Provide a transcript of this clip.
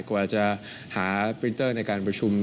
กว่าจะหาปีเตอร์ในการประชุม